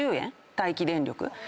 待機電力。